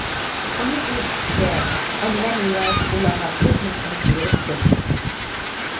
ئۇنىڭ ئېيتىشىچە، ئەنۋەر نىياز ئۇلارغا كۆپ مەسلىھەت بېرىپتۇ.